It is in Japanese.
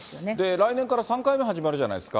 来年から３回目始まるじゃないですか。